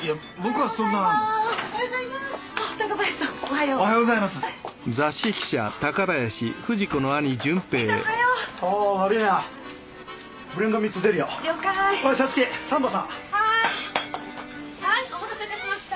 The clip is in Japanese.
はいお待たせいたしました。